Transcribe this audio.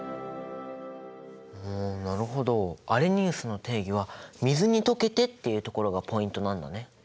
うんなるほどアレニウスの定義は水に溶けてっていうところがポイントなんだね。